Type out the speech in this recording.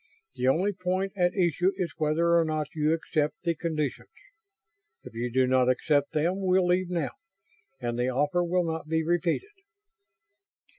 The only point at issue is whether or not you accept the conditions. If you do not accept them we'll leave now and the offer will not be repeated."